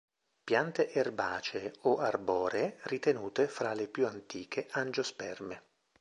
Piante erbacee o arboree ritenute fra le più antiche Angiosperme.